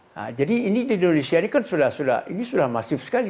nah jadi ini di indonesia ini kan sudah ini sudah masif sekali